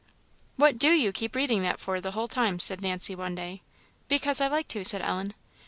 "What do you keep reading that for, the whole time?" said Nancy, one day. "Because I like to," said Ellen.